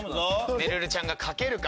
めるるちゃんが書けるか。